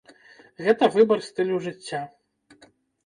Гэта выбар стылю жыцця.